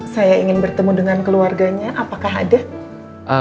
saya ingin bertemu dengan keluarganya apakah ada